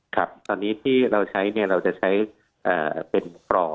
ครับตอนนี้ที่เราใช้เราจะใช้เป็นปล่อนะครับ